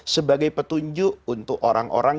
sebagai petunjuk untuk orang orang